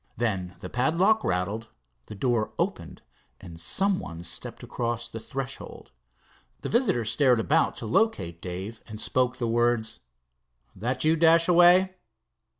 Then the padlock rattled, the door opened, and some one stepped across the threshold. The visitor stared about to locate Dave, and spoke the words: "That you, Dashaway?"